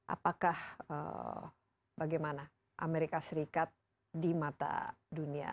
apakah bagaimana amerika serikat di mata dunia